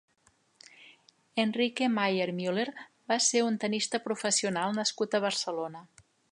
Enrique Maier Müller va ser un tennista professional nascut a Barcelona.